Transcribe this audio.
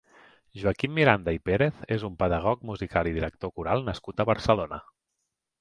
Joaquim Miranda i Pérez és un pedagog musical i director coral nascut a Barcelona.